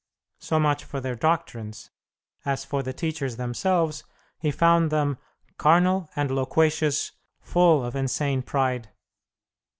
So much for their doctrines; as for the teachers themselves, he found them "carnal and loquacious, full of insane pride."